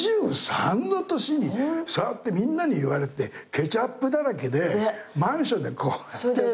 ２３の年にそうやってみんなに言われてケチャップだらけでマンションでこうやって。